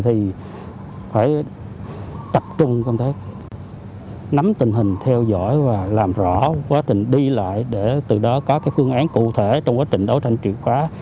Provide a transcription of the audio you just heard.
thì phải tập trung công tác nắm tình hình theo dõi và làm rõ quá trình đi lại để từ đó có cái phương án cụ thể trong quá trình đấu tranh triệt phá